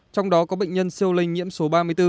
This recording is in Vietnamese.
trong đó có bệnh nhân siêu lây nhiễm số ba mươi bốn